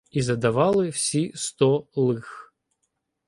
І задавали всі сто лих.